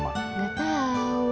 iya mama harus tau